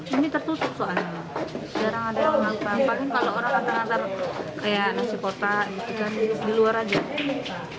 mungkin kalau orang antar antar kayak nasi pota gitu kan di luar aja nggak pernah